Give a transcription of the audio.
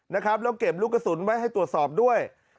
นะครับแล้วเก็บลูกกระสุนไว้ให้ตรวจสอบด้วย